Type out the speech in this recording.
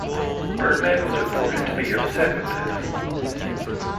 Birdman was reported to be upset with this.